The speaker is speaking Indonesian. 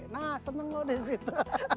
nah seneng loh disitu